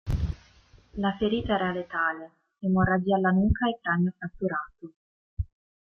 La ferita era letale: emorragia alla nuca e cranio fratturato.